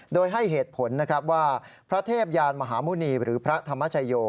โดยให้เหตุผลนะครับว่าพระเทพยานมหาหมุณีหรือพระธรรมชโย